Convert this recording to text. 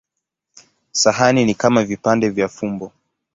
Sahani ni kama vipande vya fumbo.